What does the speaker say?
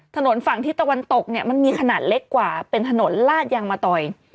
ถนนฝั่งทิศตะวันตกเนี่ยมันมีขนาดเล็กกว่าเป็นถนนลาดยางมะตอย